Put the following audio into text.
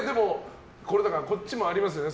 こっちもありますよね。